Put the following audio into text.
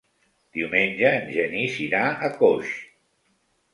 Diumenge en Genís irà a Coix.